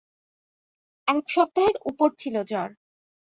এক সপ্তাহের উপর ছিল জ্বর।